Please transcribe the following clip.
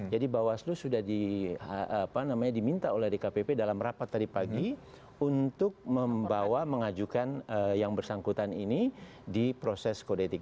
jadi bawaslu sudah diminta oleh dkpp dalam rapat tadi pagi untuk membawa mengajukan yang bersangkutan ini di proses kode etik